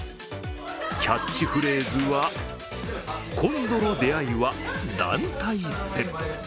キャッチフレーズは今度の出会いは、団体戦。